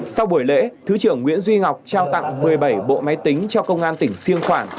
sau buổi lễ thứ trưởng nguyễn duy ngọc trao tặng một mươi bảy bộ máy tính cho công an tỉnh siêng khoảng